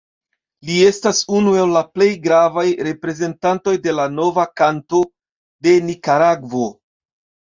Li estas unu el la plej gravaj reprezentantoj de la "Nova Kanto" de Nikaragvo.